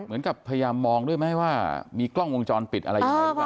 เหมือนกับพยายามมองด้วยไหมว่ามีกล้องวงจรปิดอะไรยังไงหรือเปล่า